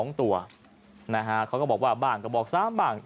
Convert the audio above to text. เขาเห็นตัวเลขขึ้นมาสองตัวนะฮะเขาก็บอกว่าบ้างก็บอกสามบ้าง